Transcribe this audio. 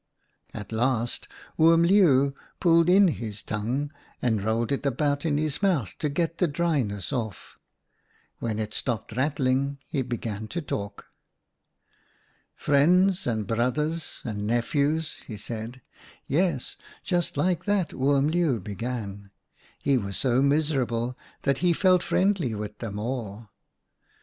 " At last Oom Leeuw pulled in his tongue and rolled it about in his mouth to get the dryness off. When it stopped rattling, he began to talk. "' Friends and brothers and nephews,' he said — yes, just like that Oom Leeuw began ; he was so miserable that he felt friendly with them all.